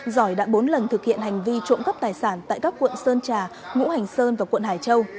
giỏi đã bốn lần thực hiện hành vi trộm cắp tài sản tại các quận sơn trà ngũ hành sơn và quận hải châu